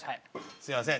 すいません。